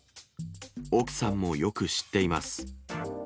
奥さんもよく知っています。